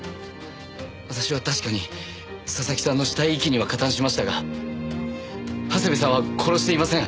私は確かに佐々木さんの死体遺棄には加担しましたが長谷部さんは殺していません。